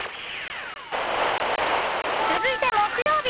続いて、木曜日。